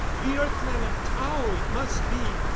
"The earth man of Tao it must be."